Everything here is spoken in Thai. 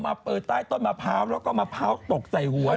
มาเปิดต้นพาพแล้วก็แบบต้นหน้าภาพตกใส่หัว